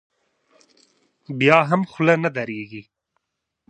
بیا هم خوله نه درېږي.